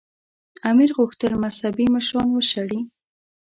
امیر غوښتل مذهبي مشران وشړي.